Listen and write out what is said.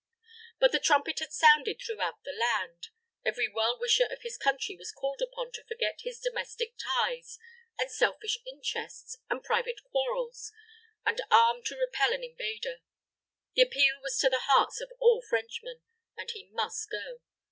But the trumpet had sounded throughout the land. Every well wisher of his country was called upon to forget his domestic ties, and selfish interests, and private quarrels, and arm to repel an invader. The appeal was to the hearts of all Frenchmen, and he must go.